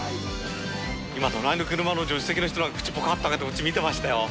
今、隣の車の助手席の人が、口ぽかっと開けてこっち見てましたよ。